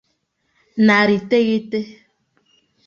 narị iteghete